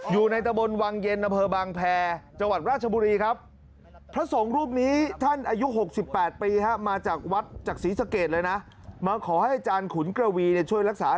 อยู่ในตะบนวังเย็นณเผอร์บางแพรจังหวัดราชบุรีครับ